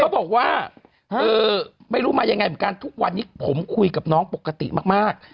บอกว่าไม่รู้มายังไงเหมือนกันทุกวันนี้ผมคุยกับน้องปกติมาก